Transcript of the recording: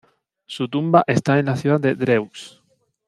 Su tumba está en la ciudad de Dreux.